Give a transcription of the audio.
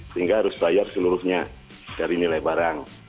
sehingga harus bayar seluruhnya dari nilai barang